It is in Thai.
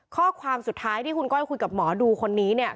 ข้อความสุดท้ายที่คุณก้อยคุยกับหมอดูคนนี้เนี่ย